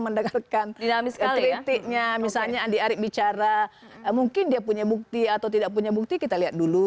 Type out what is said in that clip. mendengarkan dinamis kritiknya misalnya andi arief bicara mungkin dia punya bukti atau tidak punya bukti kita lihat dulu